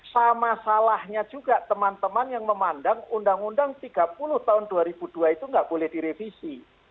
sama salahnya juga teman teman yang memandang undang tiga puluh tahun dua ribu dua itu nggak boleh direvisi